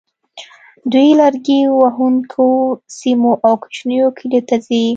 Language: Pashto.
دوی لرګي وهونکو سیمو او کوچنیو کلیو ته ځي